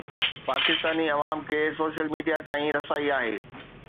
پاڪستاني عوام کي social media تائين رسائي آهي